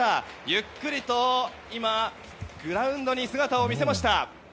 ゆっくりとグラウンドに姿を見せました。